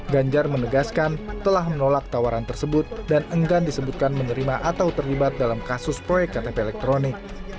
ganjar menegaskan telah menolak tawaran tersebut dan enggan disebutkan menerima atau terlibat dalam kasus proyek ktp elektronik